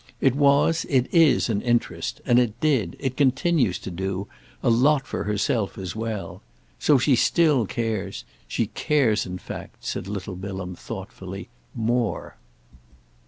It was, it is, an interest, and it did—it continues to do—a lot for herself as well. So she still cares. She cares in fact," said little Bilham thoughtfully "more."